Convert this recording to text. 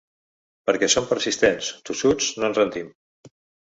Perquè som persistents, tossuts, no ens rendim.